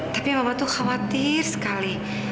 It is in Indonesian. tapi mama tuh khawatir sekali